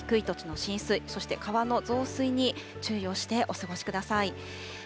このあとも土砂災害や低い土地の浸水、そして川の増水に注意をしてお過ごしください。